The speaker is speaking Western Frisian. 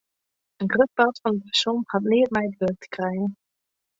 In grut part fan it fersom hat neat mei it wurk te krijen.